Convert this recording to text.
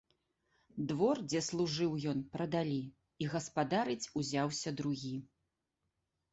Двор, дзе служыў ён, прадалі, і гаспадарыць узяўся другі.